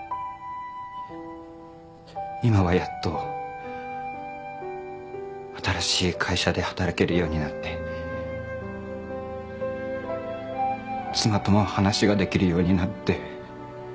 今はやっと新しい会社で働けるようになって妻とも話ができるようになって。